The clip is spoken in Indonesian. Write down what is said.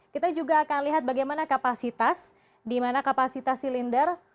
kita juga akan lihat bagaimana kapasitas di mana kapasitas silinder